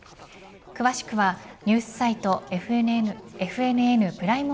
詳しくはニュースサイトＦＮＮプライム